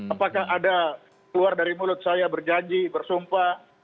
apakah ada keluar dari mulut saya berjanji bersumpah